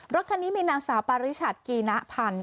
รถคันนี้มีนางสาวปาริชัดกีณพันธ์